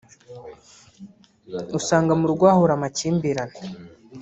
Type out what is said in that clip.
usanga mu rugo hahora amakimbirane